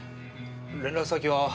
連絡先は。